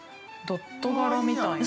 ドット柄みたいな。